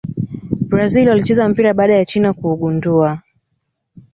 brazil walicheza mpira baada ya china kuugundua